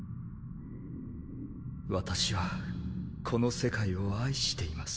私はこの世界を愛しています。